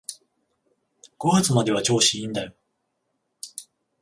五月までは調子いいんだよ